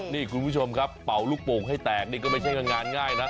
นี่คุณผู้ชมครับเป่าลูกโป่งให้แตกนี่ก็ไม่ใช่งานง่ายนะ